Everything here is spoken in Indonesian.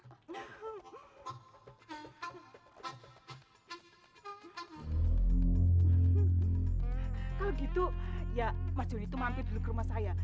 kalau gitu ya mas joni itu mampir dulu ke rumah saya